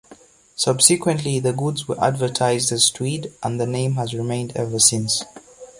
Subsequently, the goods were advertised as Tweed, and the name has remained ever since.